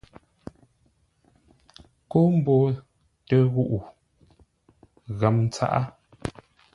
Kómboo tə ghuʼu ghəm tsaʼá.